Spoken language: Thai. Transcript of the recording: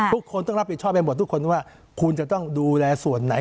ทุกคนต้องรับผิดชอบให้หมดทุกคนว่าคุณจะต้องดูแลส่วนไหน